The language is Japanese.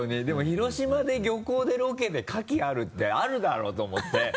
でも広島で漁港でロケでカキあるってあるだろ！と思って。